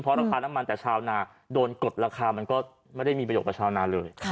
เพราะราคาน้ำมันแต่ชาวนาโดนกดราคามันก็ไม่ได้มีประโยชนกับชาวนาเลย